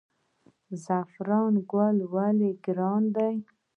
زعفران ګل ولې ګران دی؟